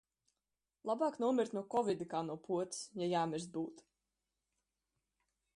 Labāk nomirt no Kovida kā no potes, ja jāmirst būtu.